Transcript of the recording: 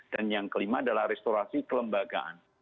dan yang kelima adalah restorasi kelembagaan